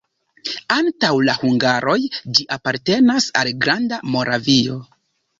Antaŭ la hungaroj ĝi apartenis al Granda Moravio.